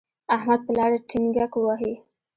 احمد په لاره ډینګګ وهي.